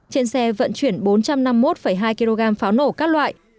trên xe vận chuyển bốn trăm năm mươi một hai kg pháo nổ các loại